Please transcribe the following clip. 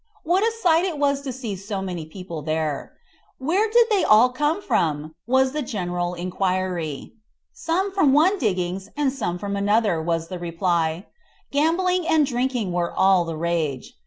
What a sight it was to see so many people there. "Where did they all come from?" was the general enquiry. "Some from one diggings and some from another," was the reply. Gambling and drinking were all the rage.